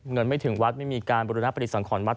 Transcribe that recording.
เงินไม่ถึงวัดไม่มีการบริณะปฏิสันของวัด